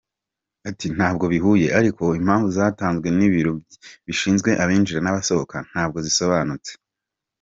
Ati : “ntabwo bihuye ariko impamvu zatanzwe n’Ibiro bishinzwe abinjira n’abasohoka ntabwo zisobanutse.